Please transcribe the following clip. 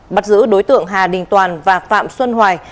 bắt giữ đối tượng hà đình toàn và phạm xuân hoài